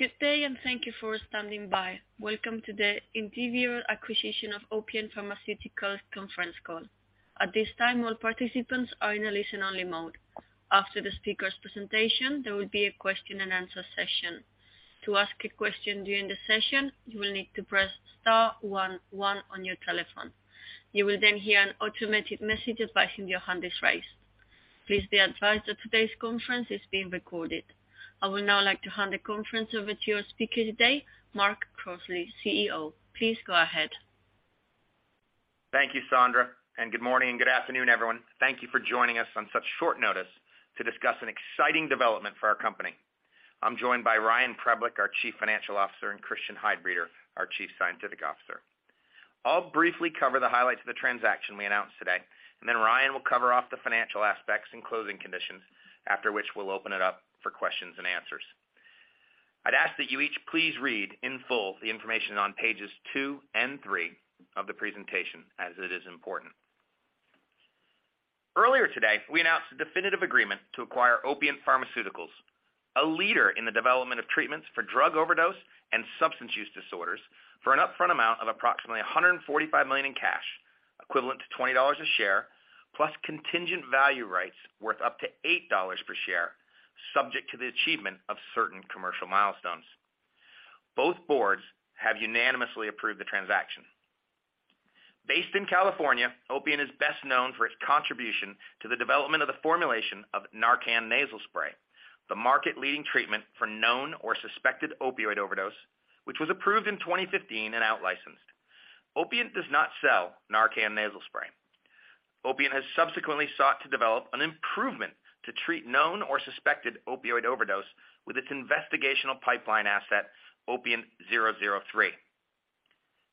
Good day, and thank you for standing by. Welcome to the Indivior Acquisition of Opiant Pharmaceuticals conference call. At this time, all participants are in a listen-only mode. After the speaker's presentation, there will be a question and answer session. To ask a question during the session, you will need to press star-one-one on your telephone. You will then hear an automatic message advising your hand is raised. Please be advised that today's conference is being recorded. I would now like to hand the conference over to your speaker today, Mark Crossley, CEO. Please go ahead. Thank you, Sandra, and good morning and good afternoon, everyone. Thank you for joining us on such short notice to discuss an exciting development for our company. I'm joined by Ryan Preblick, our Chief Financial Officer, and Christian Heidbreder, our Chief Scientific Officer. I'll briefly cover the highlights of the transaction we announced today, and then Ryan will cover off the financial aspects and closing conditions, after which we'll open it up for questions and answers. I'd ask that you each please read in full the information on pages two and three of the presentation as it is important. Earlier today, we announced a definitive agreement to acquire Opiant Pharmaceuticals, a leader in the development of treatments for drug overdose and substance use disorders, for an upfront amount of approximately $145 million in cash, equivalent to $20 a share, plus contingent value rights worth up to $8 per share, subject to the achievement of certain commercial milestones. Both boards have unanimously approved the transaction. Based in California, Opiant is best known for its contribution to the development of the formulation of NARCAN nasal spray, the market-leading treatment for known or suspected opioid overdose, which was approved in 2015 and outlicensed. Opiant does not sell NARCAN nasal spray. Opiant has subsequently sought to develop an improvement to treat known or suspected opioid overdose with its investigational pipeline asset, OPNT003.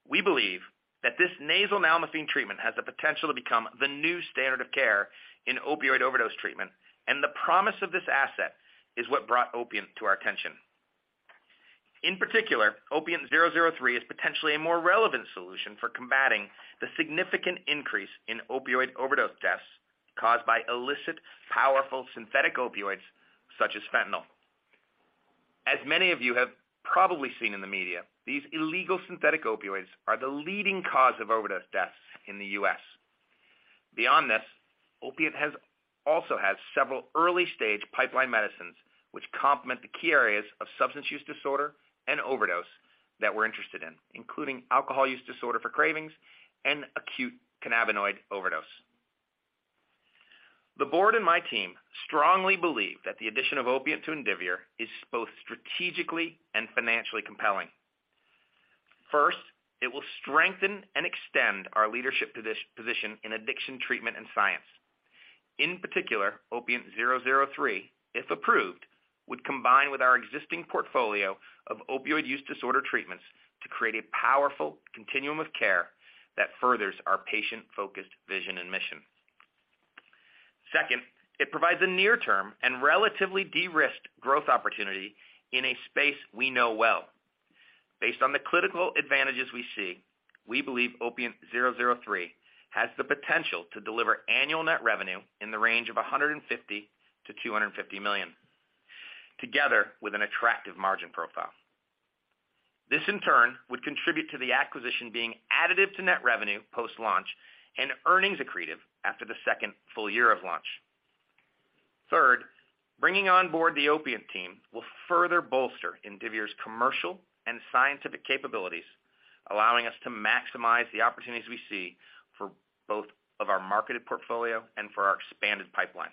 We believe that this nasal nalmefene treatment has the potential to become the new standard of care in opioid overdose treatment, and the promise of this asset is what brought Opiant to our attention. In particular, OPNT003 is potentially a more relevant solution for combating the significant increase in opioid overdose deaths caused by illicit, powerful synthetic opioids such as fentanyl. As many of you have probably seen in the media, these illegal synthetic opioids are the leading cause of overdose deaths in the U.S. Beyond this, Opiant also has several early-stage pipeline medicines which complement the key areas of substance use disorder and overdose that we're interested in, including alcohol use disorder for cravings and acute cannabinoid overdose. The board and my team strongly believe that the addition of Opiant to Indivior is both strategically and financially compelling. First, it will strengthen and extend our leadership position in addiction treatment and science. In particular, OPNT003, if approved, would combine with our existing portfolio of opioid use disorder treatments to create a powerful continuum of care that furthers our patient-focused vision and mission. Second, it provides a near-term and relatively de-risked growth opportunity in a space we know well. Based on the clinical advantages we see, we believe OPNT003 has the potential to deliver annual net revenue in the range of $150 to 250 million, together with an attractive margin profile. This, in turn, would contribute to the acquisition being additive to net revenue post-launch and earnings accretive after the second full year of launch. Third, bringing on board the Opiant team will further bolster Indivior's commercial and scientific capabilities, allowing us to maximize the opportunities we see for both of our marketed portfolio and for our expanded pipeline.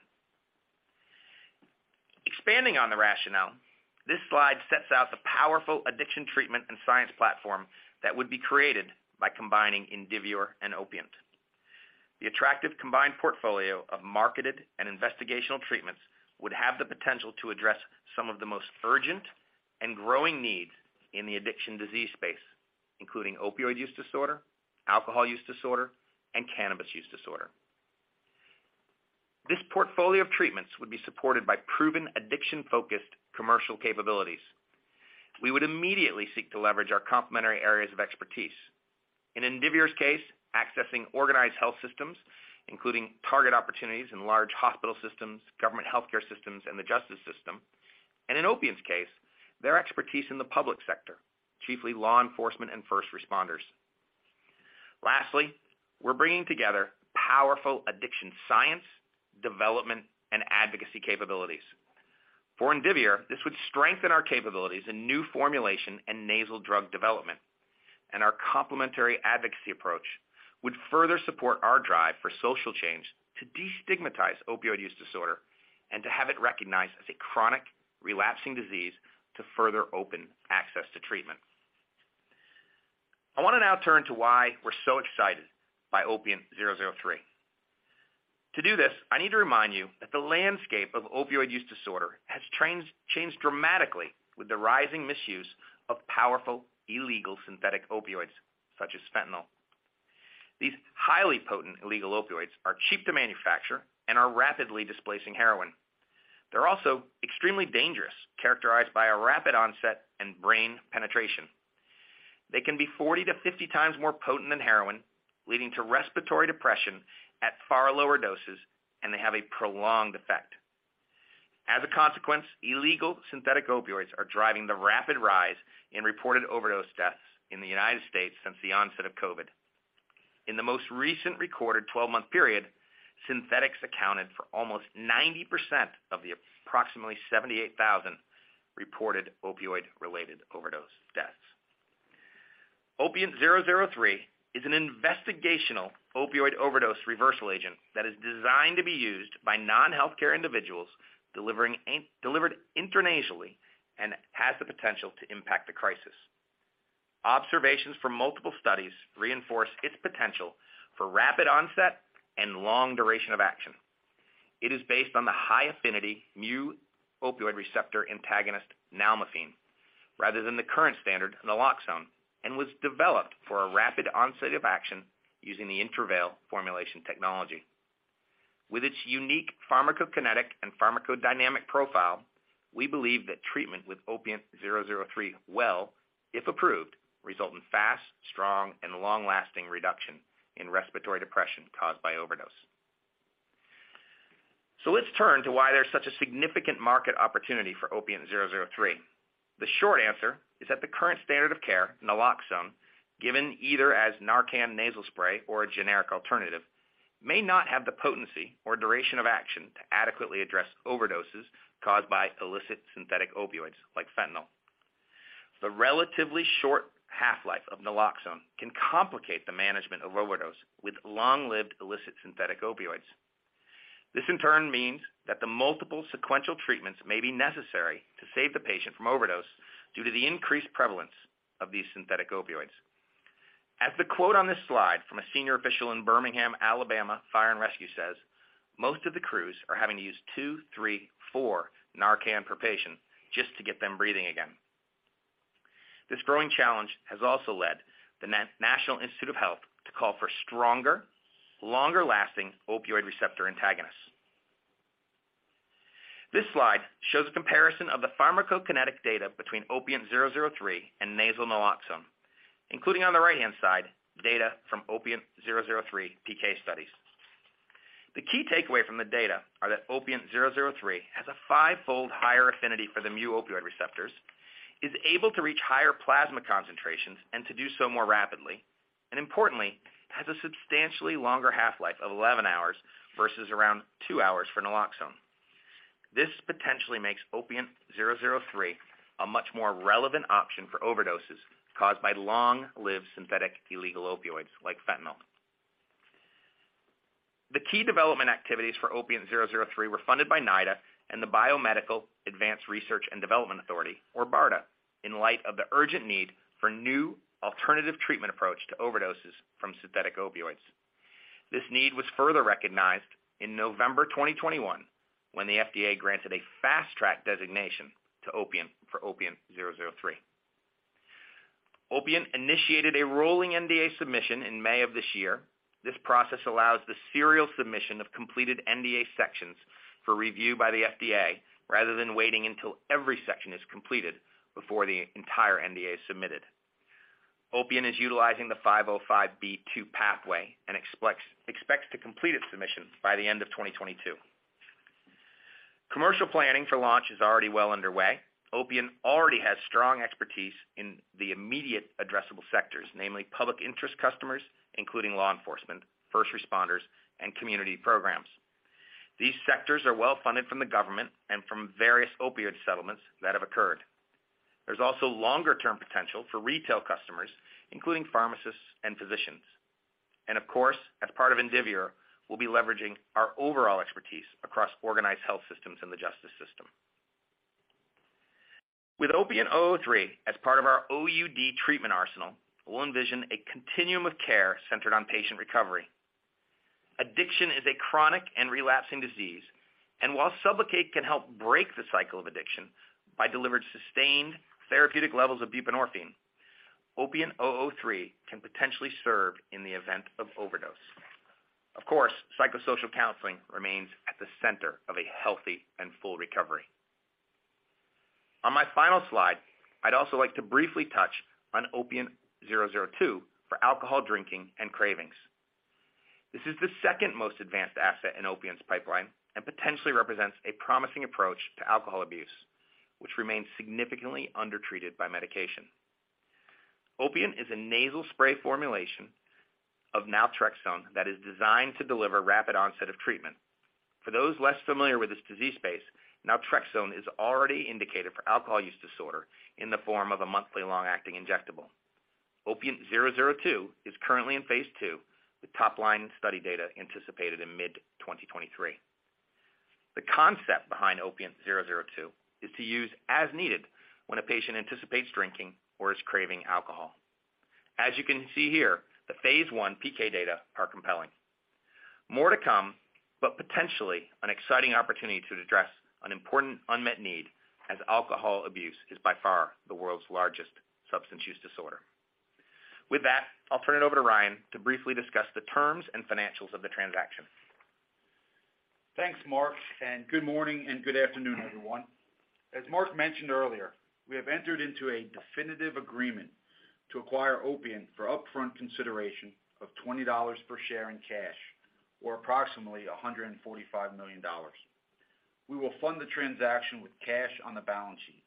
Expanding on the rationale, this slide sets out the powerful addiction treatment and science platform that would be created by combining Indivior and Opiant. The attractive combined portfolio of marketed and investigational treatments would have the potential to address some of the most urgent and growing needs in the addiction disease space, including opioid use disorder, alcohol use disorder, and cannabis use disorder. This portfolio of treatments would be supported by proven addiction-focused commercial capabilities. We would immediately seek to leverage our complementary areas of expertise. In Indivior's case, accessing organized health systems, including target opportunities in large hospital systems, government healthcare systems, and the justice system. In Opiant's case, their expertise in the public sector, chiefly law enforcement and first responders. Lastly, we're bringing together powerful addiction science, development, and advocacy capabilities. For Indivior, this would strengthen our capabilities in new formulation and nasal drug development, and our complementary advocacy approach would further support our drive for social change to destigmatize opioid use disorder and to have it recognized as a chronic relapsing disease to further open access to treatment. I want to now turn to why we're so excited by OPNT003. To do this, I need to remind you that the landscape of opioid use disorder has changed dramatically with the rising misuse of powerful illegal synthetic opioids, such as fentanyl. These highly potent illegal opioids are cheap to manufacture and are rapidly displacing heroin. They're also extremely dangerous, characterized by a rapid onset and brain penetration. They can be 40 to 50 times more potent than heroin, leading to respiratory depression at far lower doses, and they have a prolonged effect. Illegal synthetic opioids are driving the rapid rise in reported overdose deaths in the United States since the onset of COVID. In the most recent recorded twelve-month period, synthetics accounted for almost 90% of the approximately 78,000 reported opioid-related overdose deaths. OPNT003 is an investigational opioid overdose reversal agent that is designed to be used by non-healthcare individuals delivered intranasally and has the potential to impact the crisis. Observations from multiple studies reinforce its potential for rapid onset and long duration of action. It is based on the high-affinity mu-opioid receptor antagonist nalmefene, rather than the current standard, naloxone, and was developed for a rapid onset of action using the Intravail formulation technology. With its unique pharmacokinetic and pharmacodynamic profile, we believe that treatment with OPNT003 will, if approved, result in fast, strong, and long-lasting reduction in respiratory depression caused by overdose. Let's turn to why there's such a significant market opportunity for OPNT003. The short answer is that the current standard of care, naloxone, given either as NARCAN nasal spray or a generic alternative, may not have the potency or duration of action to adequately address overdoses caused by illicit synthetic opioids like fentanyl. The relatively short half-life of naloxone can complicate the management of overdose with long-lived illicit synthetic opioids. This in turn means that the multiple sequential treatments may be necessary to save the patient from overdose due to the increased prevalence of these synthetic opioids. As the quote on this slide from a senior official in Birmingham, Alabama, Fire and Rescue says, "Most of the crews are having to use two, three, four NARCAN per patient just to get them breathing again." This growing challenge has also led the National Institutes of Health to call for stronger, longer-lasting opioid receptor antagonists. This slide shows a comparison of the pharmacokinetic data between OPNT003 and nasal naloxone, including on the right-hand side, data from OPNT003 PK studies. The key takeaway from the data are that OPNT003 has a five-fold higher affinity for the mu-opioid receptors, is able to reach higher plasma concentrations and to do so more rapidly, and importantly, has a substantially longer half-life of 11 hours versus around two hours for naloxone. This potentially makes OPNT003 a much more relevant option for overdoses caused by long-lived synthetic illegal opioids like fentanyl. The key development activities for OPNT003 were funded by NIDA and the Biomedical Advanced Research and Development Authority, or BARDA, in light of the urgent need for new alternative treatment approach to overdoses from synthetic opioids. This need was further recognized in November 2021, when the FDA granted a Fast-Track designation to OPNT003. Opiant initiated a rolling NDA submission in May of this year. This process allows the serial submission of completed NDA sections for review by the FDA, rather than waiting until every section is completed before the entire NDA is submitted. Opiant is utilizing the 505(b)(2) pathway and expects to complete its submission by the end of 2022. Commercial planning for launch is already well underway. Opiant already has strong expertise in the immediate addressable sectors, namely public interest customers, including law enforcement, first responders, and community programs. These sectors are well-funded from the government and from various opioid settlements that have occurred. There's also longer-term potential for retail customers, including pharmacists and physicians. Of course, as part of Indivior, we'll be leveraging our overall expertise across organized health systems and the justice system. With OPNT003 as part of our OUD treatment arsenal, we'll envision a continuum of care centered on patient recovery. Addiction is a chronic and relapsing disease, and while SUBLOCADE can help break the cycle of addiction by delivering sustained therapeutic levels of buprenorphine, OPNT003 can potentially serve in the event of overdose. Of course, psychosocial counseling remains at the center of a healthy and full recovery. On my final slide, I'd also like to briefly touch on OPNT002 for alcohol drinking and cravings. This is the second most advanced asset in Opiant's pipeline and potentially represents a promising approach to alcohol abuse, which remains significantly undertreated by medication. Opiant is a nasal spray formulation of naltrexone that is designed to deliver rapid onset of treatment. For those less familiar with this disease space, naltrexone is already indicated for alcohol use disorder in the form of a monthly long-acting injectable. OPNT002 is currently in phase II, with top-line study data anticipated in mid-2023. The concept behind OPNT002 is to use as needed when a patient anticipates drinking or is craving alcohol. As you can see here, the phase I PK data are compelling. More to come, but potentially an exciting opportunity to address an important unmet need as alcohol abuse is by far the world's largest substance use disorder. With that, I'll turn it over to Ryan to briefly discuss the terms and financials of the transaction. Thanks, Mark, and good morning and good afternoon, everyone. As Mark mentioned earlier, we have entered into a definitive agreement to acquire Opiant for upfront consideration of $20 per share in cash, or approximately $145 million. We will fund the transaction with cash on the balance sheet.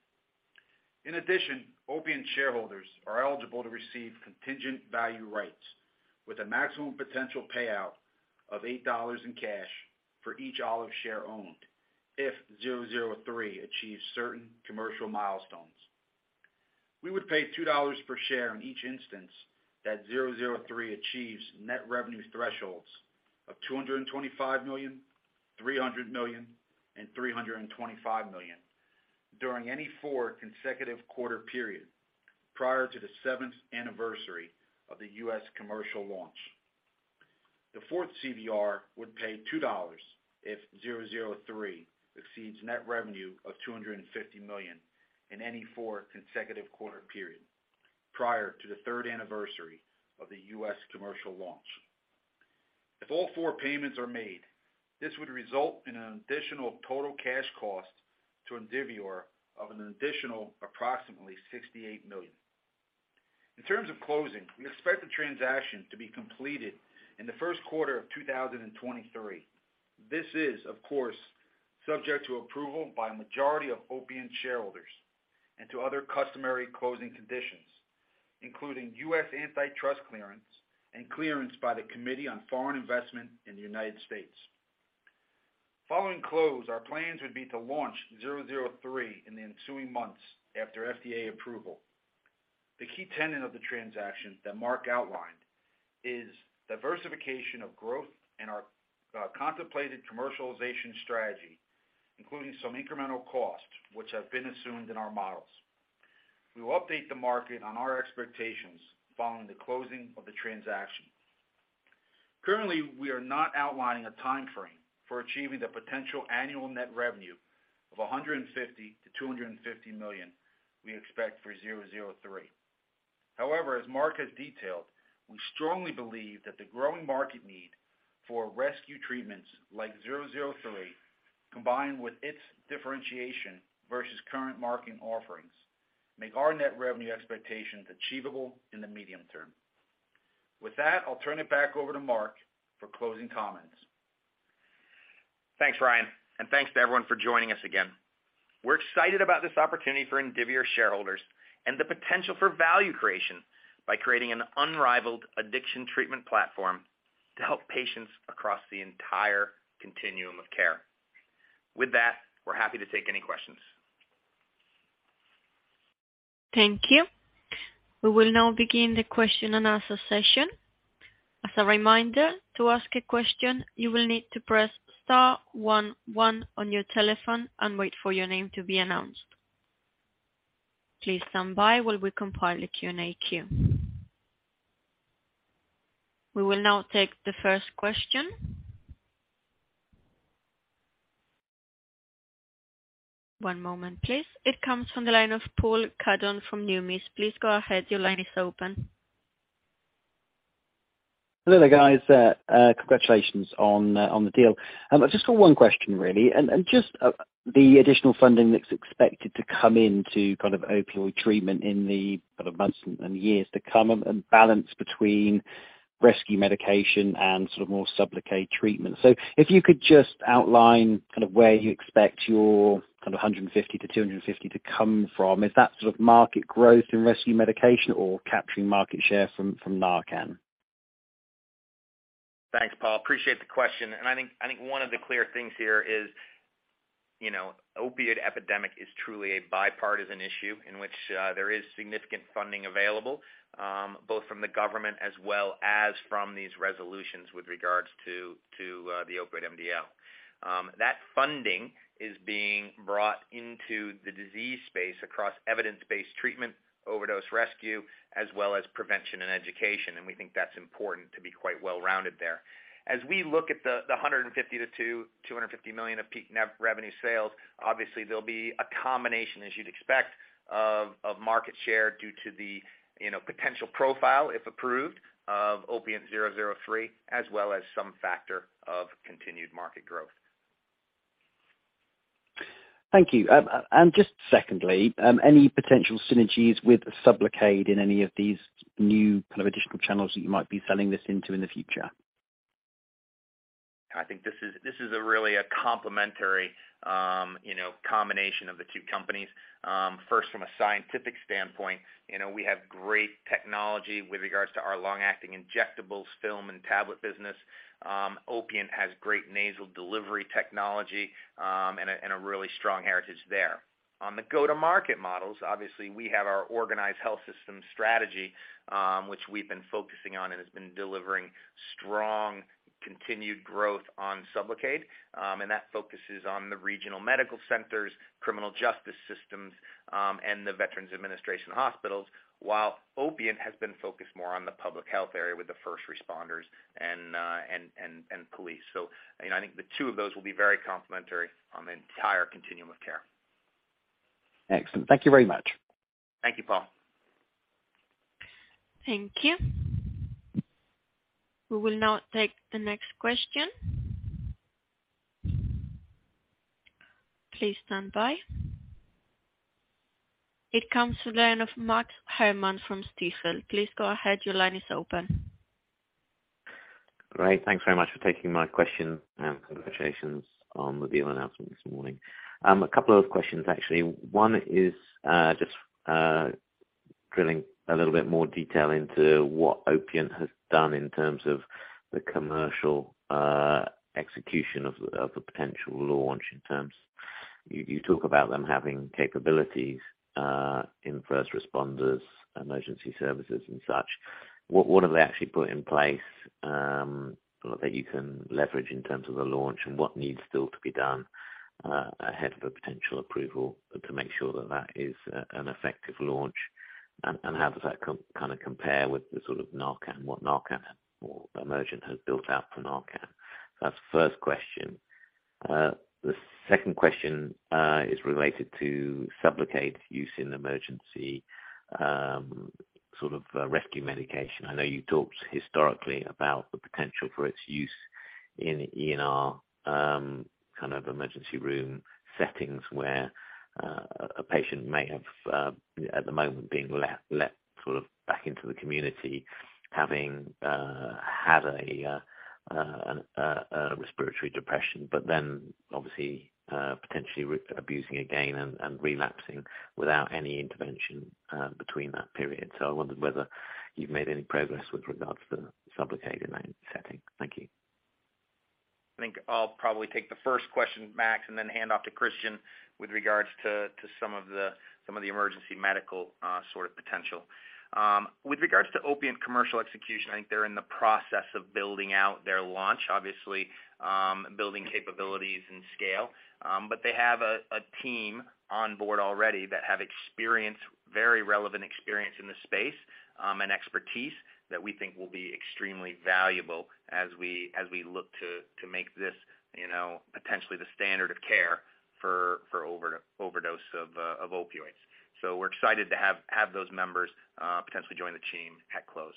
In addition, Opiant shareholders are eligible to receive contingent value rights with a maximum potential payout of $8 in cash for each Opiant share owned if 003 achieves certain commercial milestones. We would pay $2 per share in each instance that 003 achieves net revenue thresholds of $225 million, $300 million and $325 million during any four consecutive quarter period prior to the seventh anniversary of the U.S. commercial launch. The fourth CVR would pay $2 if OPNT003 exceeds net revenue of $250 million in any four consecutive quarters period prior to the third anniversary of the U.S. commercial launch. If all four payments are made, this would result in an additional total cash cost to Indivior of an additional approximately $68 million. In terms of closing, we expect the transaction to be completed in the Q1 of 2023. This is, of course, subject to approval by a majority of Opiant shareholders and to other customary closing conditions, including U.S. antitrust clearance and clearance by the Committee on Foreign Investment in the United States. Following close, our plans would be to launch 003 in the ensuing months after FDA approval. The key tenet of the transaction that Mark outlined is diversification of growth and our contemplated commercialization strategy, including some incremental costs which have been assumed in our models. We will update the market on our expectations following the closing of the transaction. Currently, we are not outlining a timeframe for achieving the potential annual net revenue of $150 to 250 million we expect for 003. However, as Mark has detailed, we strongly believe that the growing market need for rescue treatments like 003, combined with its differentiation versus current market offerings, make our net revenue expectations achievable in the medium term. With that, I'll turn it back over to Mark for closing comments. Thanks, Ryan, and thanks to everyone for joining us again. We're excited about this opportunity for Indivior shareholders and the potential for value creation by creating an unrivaled addiction treatment platform to help patients across the entire continuum of care. With that, we're happy to take any questions. Thank you. We will now begin the question and answer session. As a reminder, to ask a question, you will need to press star one one on your telephone and wait for your name to be announced. Please stand by while we compile a Q&A queue. We will now take the first question. One moment please. It comes from the line of Paul Cuddon from Numis. Please go ahead. Your line is open. Hello, guys. Congratulations on the deal. I've just got one question really, the additional funding that's expected to come into opioid treatment in the months and years to come and balance between rescue medication and more SUBLOCADE treatment. If you could just outline where you expect your $150 to 250 million to come from. Is that market growth in rescue medication or capturing market share from NARCAN? Thanks, Paul. Appreciate the question. I think one of the clear things here is, you know, opioid epidemic is truly a bipartisan issue in which there is significant funding available both from the government as well as from these resolutions with regards to the opioid MDL. That funding is being brought into the disease space across evidence-based treatment, overdose rescue, as well as prevention and education. We think that's important to be quite well-rounded there. As we look at the $150 to 250 million of peak net revenue sales, obviously there'll be a combination, as you'd expect, of market share due to the, you know, potential profile, if approved, of OPNT003, as well as some factor of continued market growth. Thank you. Just secondly, any potential synergies with SUBLOCADE in any of these new kind of additional channels that you might be selling this into in the future? I think this is a really a complementary, you know, combination of the two companies. First from a scientific standpoint, you know, we have great technology with regards to our long-acting injectables film and tablet business. Opiant has great nasal delivery technology, and a really strong heritage there. On the go-to-market models, obviously we have our organized health system strategy, which we've been focusing on and has been delivering strong continued growth on SUBLOCADE. And that focuses on the regional medical centers, criminal justice systems, and the Veterans Administration hospitals, while Opiant has been focused more on the public health area with the first responders and police. You know, I think the two of those will be very complementary on the entire continuum of care. Excellent. Thank you very much. Thank you, Paul. Thank you. We will now take the next question. Please stand by. It comes to the line of Max Herrmann from Stifel. Please go ahead. Your line is open. Great. Thanks very much for taking my question and congratulations on the deal announcement this morning. A couple of questions, actually. One is, just, drilling a little bit more detail into what Opiant has done in terms of the commercial, execution of the potential launch in terms. You talk about them having capabilities, in first responders, emergency services and such. What have they actually put in place, that you can leverage in terms of the launch, and what needs still to be done, ahead of a potential approval to make sure that is, an effective launch? And how does that kinda compare with the sort of NARCAN, what NARCAN or Emergent has built out for NARCAN? That's the first question. The second question is related to SUBLOCADE use in emergency, sort of, rescue medication. I know you talked historically about the potential for its use in our kind of emergency room settings, where a patient may have at the moment being let sort of back into the community, having had a respiratory depression. Obviously, potentially re-abusing again and relapsing without any intervention between that period. I wondered whether you've made any progress with regard to the SUBLOCADE in that setting. Thank you. I think I'll probably take the first question, Max, and then hand off to Christian with regards to some of the emergency medical sort of potential. With regards to Opiant commercial execution, I think they're in the process of building out their launch, obviously, building capabilities and scale. But they have a team on board already that have experience, very relevant experience in this space, and expertise that we think will be extremely valuable as we look to make this, you know, potentially the standard of care for overdose of opioids. We're excited to have those members potentially join the team at close.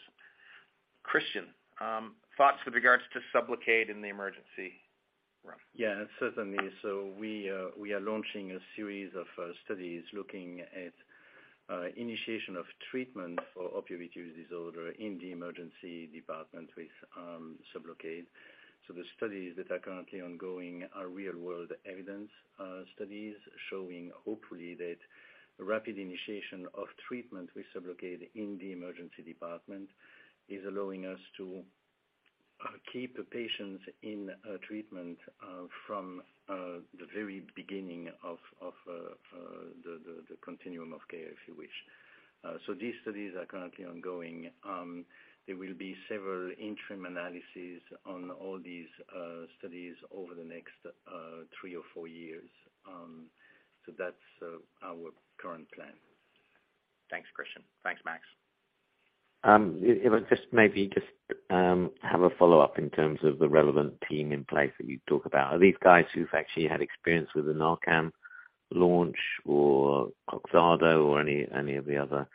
Christian, thoughts with regards to SUBLOCADE in the emergency room. Yeah, certainly. We are launching a series of studies looking at initiation of treatment for opioid use disorder in the emergency department with SUBLOCADE. The studies that are currently ongoing are real world evidence studies showing hopefully that rapid initiation of treatment with SUBLOCADE in the emergency department is allowing us to keep the patients in treatment from the very beginning of the continuum of care, if you wish. These studies are currently ongoing. There will be several interim analysis on all these studies over the next three or four years. That's our current plan. Thanks, Christian. Thanks, Max. If I just have a follow-up in terms of the relevant team in place that you talk about. Are these guys who've actually had experience with the NARCAN launch or Kloxxado or any of the other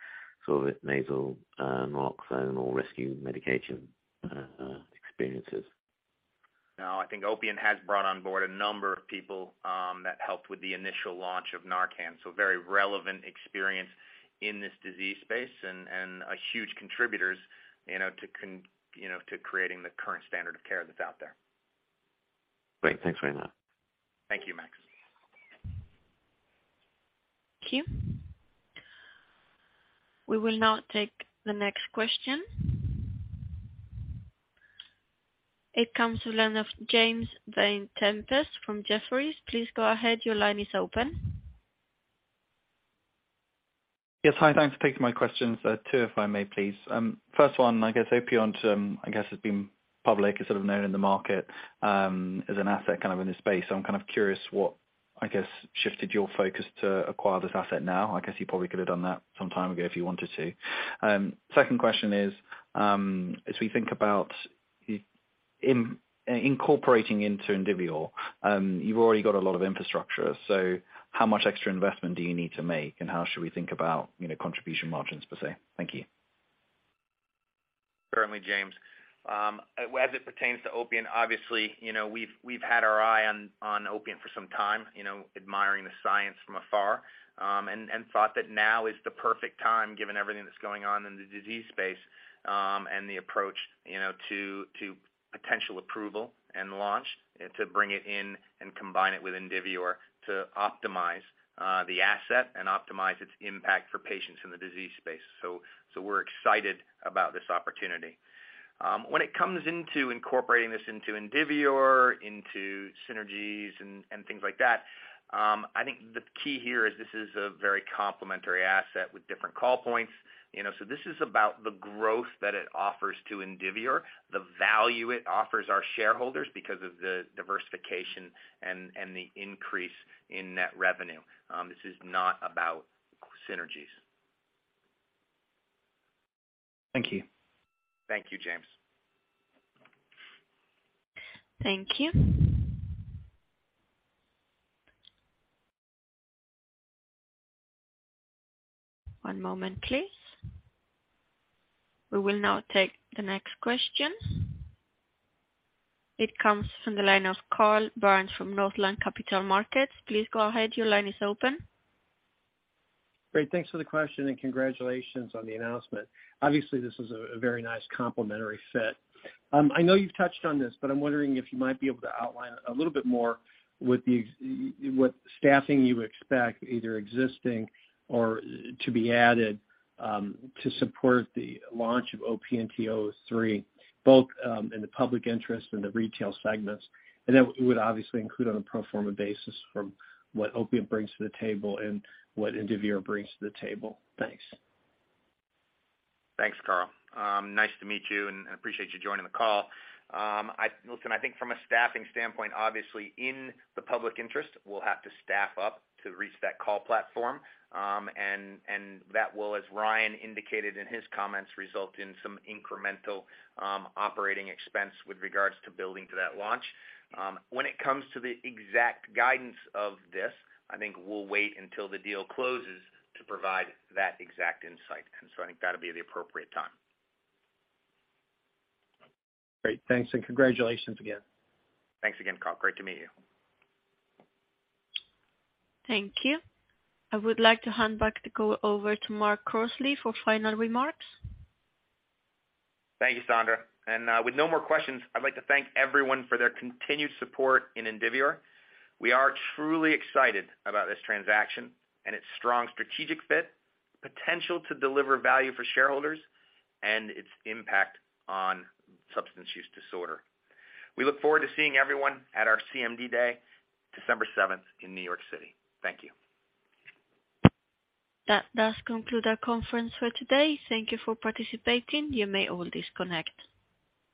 sort of nasal naloxone or rescue medication experiences? No, I think Opiant has brought on board a number of people that helped with the initial launch of NARCAN. Very relevant experience in this disease space and are huge contributors, you know, to creating the current standard of care that's out there. Great. Thanks very much. Thank you, Max. Thank you. We will now take the next question. It comes to the line of James Vane-Tempest from Jefferies. Please go ahead. Your line is open. Yes. Hi, thanks for taking my questions. Two if I may please. First one, I guess Opiant, I guess has been public, is sort of known in the market, as an asset kind of in this space. I'm kind of curious what, I guess, shifted your focus to acquire this asset now. I guess you probably could have done that some time ago if you wanted to. Second question is, as we think about incorporating into Indivior, you've already got a lot of infrastructure. How much extra investment do you need to make, and how should we think about, you know, contribution margins per se? Thank you. Certainly, James. As it pertains to Opiant, obviously, you know, we've had our eye on Opiant for some time, you know, admiring the science from afar. And thought that now is the perfect time, given everything that's going on in the disease space, and the approach, you know, to potential approval and launch, to bring it in and combine it with Indivior to optimize the asset and optimize its impact for patients in the disease space. We're excited about this opportunity. When it comes to incorporating this into Indivior, into synergies and things like that, I think the key here is this is a very complementary asset with different call points, you know. This is about the growth that it offers to Indivior, the value it offers our shareholders because of the diversification and the increase in net revenue. This is not about synergies. Thank you. Thank you, James. Thank you. One moment, please. We will now take the next question. It comes from the line of Carl Byrnes from Northland Capital Markets. Please go ahead. Your line is open. Great. Thanks for the question and congratulations on the announcement. Obviously, this is a very nice complementary fit. I know you've touched on this, but I'm wondering if you might be able to outline a little bit more what staffing you expect, either existing or to be added, to support the launch of OPNT003, both in the public sector and the retail segments. That would obviously include on a pro forma basis from what Opiant brings to the table and what Indivior brings to the table. Thanks. Thanks, Carl. Nice to meet you, and I appreciate you joining the call. Listen, I think from a staffing standpoint, obviously in the public interest, we'll have to staff up to reach that call platform. That will, as Ryan indicated in his comments, result in some incremental operating expense with regards to building to that launch. When it comes to the exact guidance of this, I think we'll wait until the deal closes to provide that exact insight. I think that'll be the appropriate time. Great. Thanks, and congratulations again. Thanks again, Carl. Great to meet you. Thank you. I would like to hand back the call over to Mark Crossley for final remarks. Thank you, Sandra. With no more questions, I'd like to thank everyone for their continued support in Indivior. We are truly excited about this transaction and its strong strategic fit, potential to deliver value for shareholders and its impact on substance use disorder. We look forward to seeing everyone at our CMD Day, December 7th, 2022 in New York City. Thank you. That does conclude our conference for today. Thank you for participating. You may all disconnect.